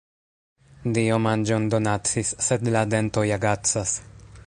Dio manĝon donacis, sed la dentoj agacas.